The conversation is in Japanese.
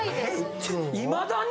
いまだに！？